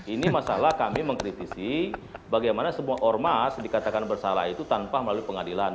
ini masalah kami mengkritisi bagaimana semua ormas dikatakan bersalah itu tanpa melalui pengadilan